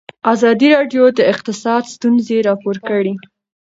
ازادي راډیو د اقتصاد ستونزې راپور کړي.